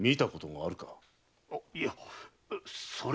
あいやそれは。